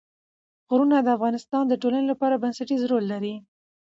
غرونه د افغانستان د ټولنې لپاره بنسټيز رول لري.